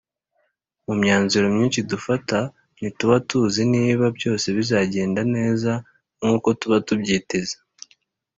mu myanzuro myinshi dufata ntituba tuzi niba byose bizagenda neza nk uko tuba tubyiteze